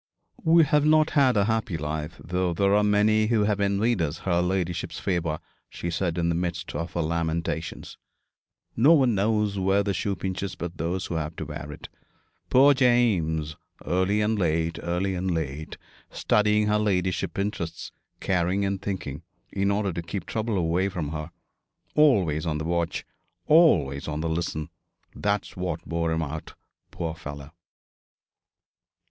'We have not had a happy life, though there are many who have envied us her ladyship's favour,' she said in the midst of her lamentations. 'No one knows where the shoe pinches but those who have to wear it. Poor James! Early and late, early and late, studying her ladyship's interests, caring and thinking, in order to keep trouble away from her. Always on the watch, always on the listen. That's what wore him out, poor fellow!'